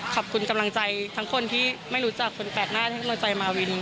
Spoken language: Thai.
ขอบคุณกำลังใจทั้งคนที่ไม่รู้จักคนแปลกหน้าที่กำลังใจมาวิน